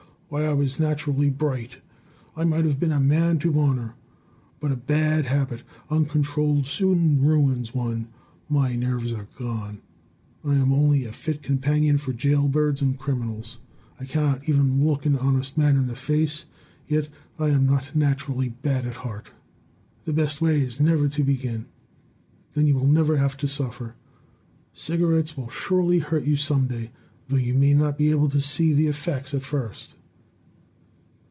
Why, I was naturally bright; I might have been a man to honor. But a bad habit, uncontrolled, soon ruins one. My nerves are gone. I am only a fit companion for jailbirds and criminals. I cannot even look an honest man in the face, yet I am not naturally bad at heart. The best way is never to begin; then you will never have to suffer. Cigarettes will surely hurt you some day, though you may not be able to see the effects at first."